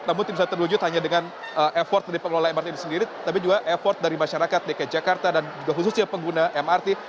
namun tidak bisa terwujud hanya dengan effort dari pengelola mrt ini sendiri tapi juga effort dari masyarakat dki jakarta dan juga khususnya pengguna mrt